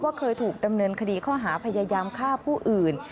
เคยถูกดำเนินคดีข้อหาพยายามฆ่าผู้อื่น